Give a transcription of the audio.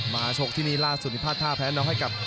มาโชคที่นี่ล่าสุนิพัฒน์ท่าแพ้น้องให้กับ